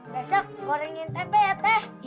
besok gorengin tempe ya teh